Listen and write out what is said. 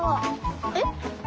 えっ？